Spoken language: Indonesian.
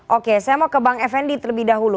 oke saya mau ke bang effendi terlebih dahulu